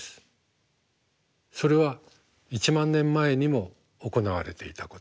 それは１万年前にも行われていたこと。